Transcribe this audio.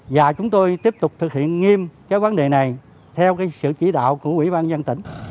và chúng tôi tiếp tục thực hiện nghiêm cái vấn đề này theo cái sự chỉ đạo của quỹ ban dân tỉnh